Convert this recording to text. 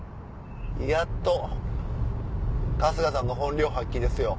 やっと春日さんの本領発揮ですよ。